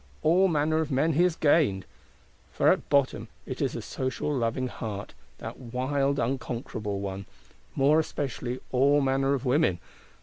All manner of men he has gained; for at bottom it is a social, loving heart, that wild unconquerable one:—more especially all manner of women.